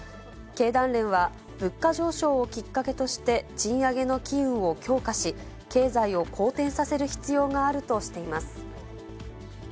経団連は、物価上昇をきっかけとして賃上げの機運を強化し、経済を好転させる必要があるとしています。